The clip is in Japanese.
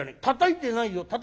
「たたいてないよ。